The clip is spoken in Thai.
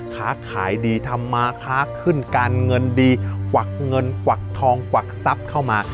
ค้าขายดีทำมาค้าขึ้นการเงินดีกวักเงินกวักทองกวักทรัพย์เข้ามา